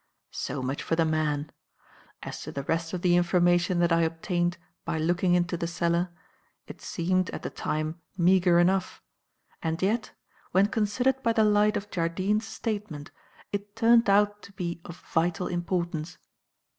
"So much for the man. As to the rest of the information that I obtained by looking into the cellar, it seemed, at the time meagre enough; and yet, when considered by the light of Jardine's statement, it turned out to be of vital importance.